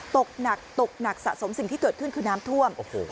ตกหนักตกหนักสะสมสิ่งที่เกิดขึ้นคือน้ำท่วม